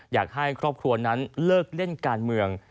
อยากให้ครอบครัวนั้นเลิกเล่นการเมือง